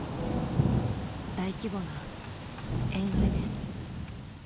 大規模な塩害です